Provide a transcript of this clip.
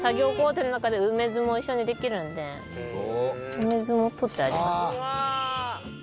梅酢も取ってありますね。